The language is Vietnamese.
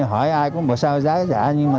hỏi ai có một sao giá giả nhưng mà